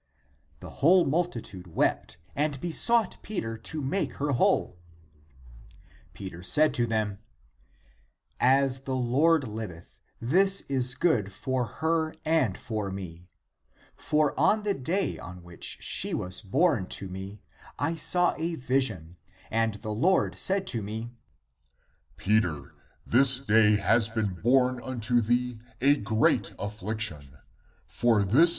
The whole multitude wept and besought Peter to make her whole. 54 THE APOCRYPHAL ACTS Peter said to them :" As the Lord hveth, this is good for her and for me. For on the day on which she was born to me, I saw a vision and the Lord said to me, ' Peter, this day has been born unto thee a great (p. 132) affliction, for this (i.